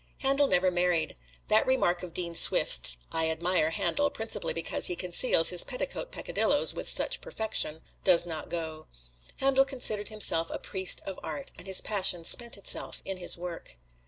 Handel never married. That remark of Dean Swift's, "I admire Handel principally because he conceals his petticoat peccadilloes with such perfection," does not go. Handel considered himself a priest of art, and his passion spent itself in his work.